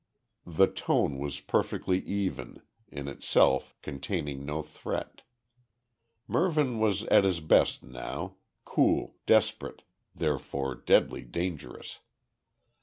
The tone was perfectly even, in itself containing no threat. Mervyn was at his best now, cool, desperate, therefore deadly dangerous.